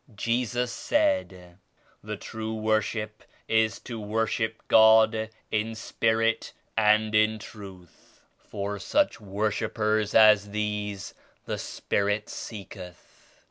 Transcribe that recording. Jesus said *The true worship is to worship God in Spirit and in Truth; for such worshippers as these the Spirit seeketh.'